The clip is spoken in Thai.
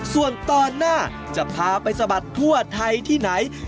ส่วนตอนหน้าจะพาไปสะบัดทั่วไทยที่ไหน